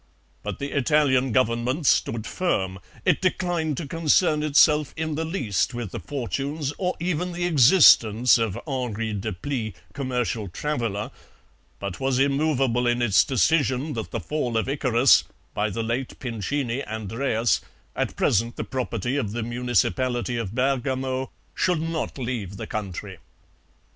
But the Italian Government stood firm; it declined to concern itself in the least with the fortunes or even the existence of Henri Deplis, commercial traveller, but was immovable in its decision that the Fall of Icarus (by the late Pincini, Andreas) at present the property of the municipality of Bergamo, should not leave the country.